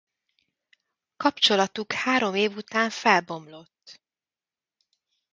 Kapcsolatuk három év után felbomlott.